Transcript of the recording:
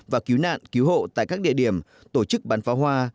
và cứu nạn cứu hộ tại các địa điểm tổ chức bán pháo hoa